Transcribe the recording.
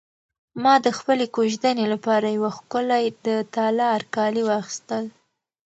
ما د خپلې کوژدنې لپاره یو ښکلی د تالار کالي واخیستل.